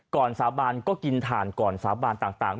สาบานก็กินถ่านก่อนสาบานต่าง